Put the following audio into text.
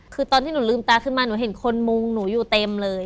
คือตอนที่หนูลืมตาขึ้นมาหนูเห็นคนมุงหนูอยู่เต็มเลย